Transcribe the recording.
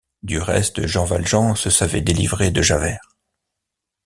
Du reste, Jean Valjean se savait délivré de Javert.